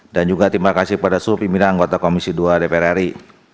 dan juga terima kasih pada surupimira anggota komisi ii dpr ri